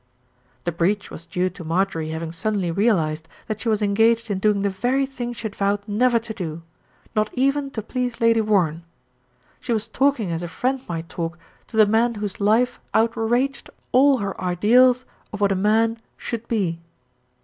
The breach was due to Marjorie having suddenly realised that she was engaged in doing the very thing she had vowed never to do, not even to please Lady Warren she was talking as a friend might talk to the man whose life outraged all her ideals of what a man should be.